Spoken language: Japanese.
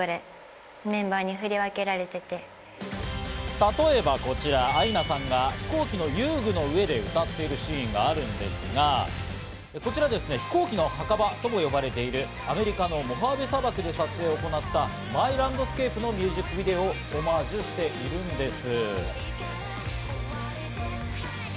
例えばこちら、アイナさんが飛行機の遊具の上で歌っているシーンがあるんですが、こちらですね、飛行機の墓場とも呼ばれているアメリカのモハーヴェ砂漠で撮影を行った『Ｍｙｌａｎｄｓｃａｐｅ』のミュージックビデオをオマージュしているんです。